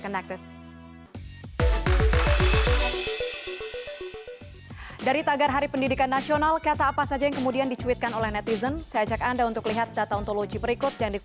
terima kasih banyak